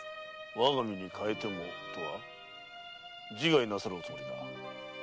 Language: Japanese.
「我が身に代えても」とは自害なさるおつもりか？